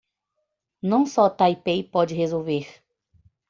Não só Taipei pode resolver